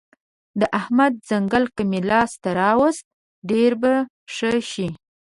د احمد ځنګل که مې لاس ته راوست؛ ډېر به ښه شي.